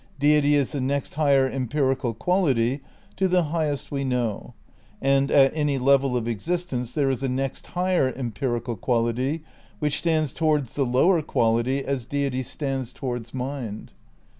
Deity is the next higher empirical quality to the high est we know ; and ... at any level of existence there is a next higher empirical quality which stands towards the lower quality as deity stands towards mind.'"